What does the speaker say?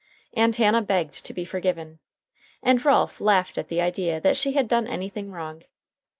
And Hannah begged to be forgiven, and Ralph laughed at the idea that she had done anything wrong.